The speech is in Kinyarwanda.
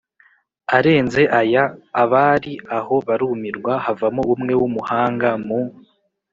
arenze aya”! Abari aho barumirwa; havamo umwe w’umuhanga mu